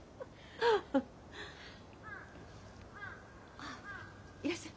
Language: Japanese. あいらっしゃい。